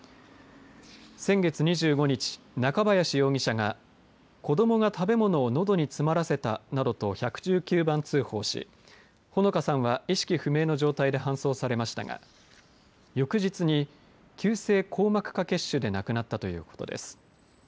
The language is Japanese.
先月２５日中林容疑者が子どもが食べ物をのどに詰まらせたなどと１１９番通報しほのかさんは意識不明の状態で搬送されましたが翌日に急性硬膜下血腫で亡くなったということです。